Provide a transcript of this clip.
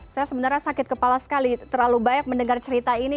saya sebenarnya sakit kepala sekali terlalu banyak mendengar cerita ini